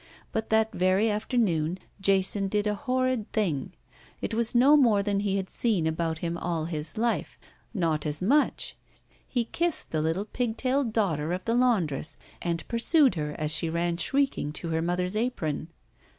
But that very afternoon Jason did a horrid thing. It was no more than he had seen about him all his life. Not as much. He kissed the little pig tailed daughter of the laundress and pursued her as she ran shrieking to her mother's apron.